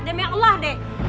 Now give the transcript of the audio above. demi allah deh